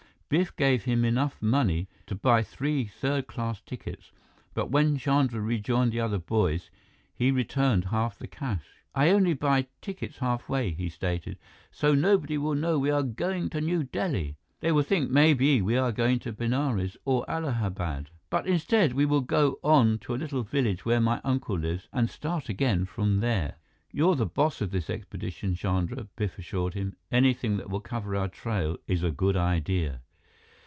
Biff gave him enough money to buy three third class tickets, but when Chandra rejoined the other boys, he returned half the cash. "I only buy tickets halfway," he stated, "so nobody will know we are going to New Delhi. They will think maybe we are going to Benares or Allahabad, but instead we will go on to a little village where my uncle lives and start again from there." "You're the boss of this expedition, Chandra," Biff assured him. "Anything that will cover our trail is a good idea."